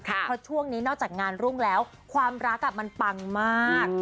เพราะช่วงนี้นอกจากงานรุ่งแล้วความรักมันปังมาก